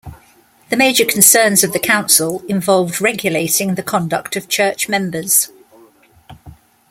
The major concerns of the Council involved regulating the conduct of church members.